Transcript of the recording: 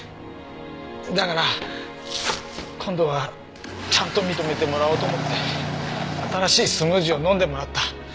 だから今度はちゃんと認めてもらおうと思って新しいスムージーを飲んでもらった。